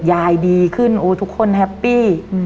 ยายดีขึ้นโอ้ทุกคนแฮปปี้